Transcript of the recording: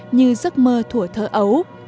như giấc mơ thủa thơ ấu